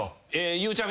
ゆうちゃみ？